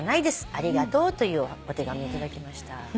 ありがとう」というお手紙頂きました。